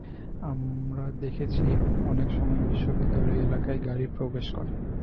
আমরা দেখেছি, অনেক সময় বিশ্ববিদ্যালয় এলাকায় গাড়ি প্রবেশ করে।